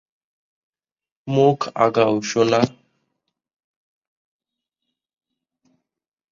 মুখ আগাও, সোনা।